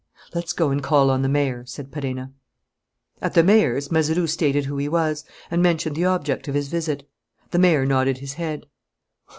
"Let's go and call on the mayor," said Perenna. At the mayor's Mazeroux stated who he was and mentioned the object of his visit. The mayor nodded his head.